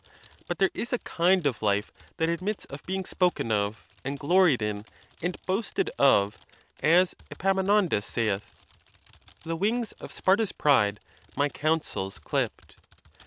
But there is a kind of life that ad mits of being spoken of, and gloried in, and boasted of, as Epaminondas saith, The wings ot Sparta's pride my counsels clipp'd.